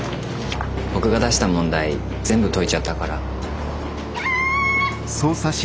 僕が出した問題全部解いちゃったから。